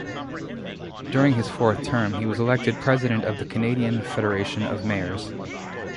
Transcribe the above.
During his fourth term, he was elected president of the Canadian Federation of Mayors.